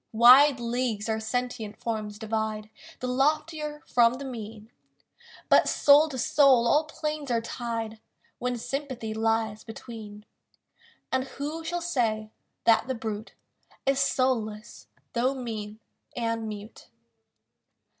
Wide leagues our sentient forms divide The loftier from the mean; But soul to soul all planes are tied When sympathy lies between; And who shall say that the brute Is soulless, though mean and mute?